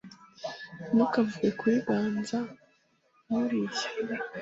Ntukavuge kuri Ganza nkuriya.